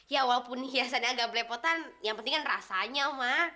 ya walaupun hiasannya agak belepotan yang penting kan rasanya oma